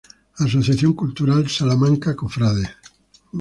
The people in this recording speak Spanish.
Asociación Cultural Salamanca Cofrade